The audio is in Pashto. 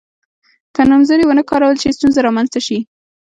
که نومځري ونه کارول شي ستونزه رامنځته شي.